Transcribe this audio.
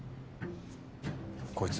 こいつ